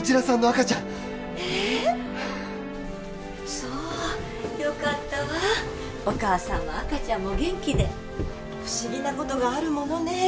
そうよかったわお母さんも赤ちゃんも元気で不思議なことがあるものね